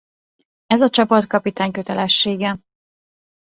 Ez a csapatkapitány kötelessége.